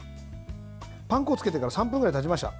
パン粉をつけてから３分ぐらいたちました。